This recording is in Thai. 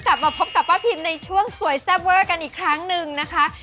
กลับมาพบกับป้าพิมในช่วงสวยแซ่บเวอร์กันอีกครั้งหนึ่งนะคะ